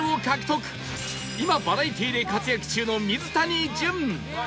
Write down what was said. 今バラエティで活躍中の水谷隼